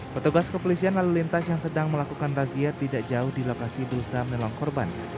petugas kepolisian lalu lintas yang sedang melakukan razia tidak jauh di lokasi berusaha menolong korban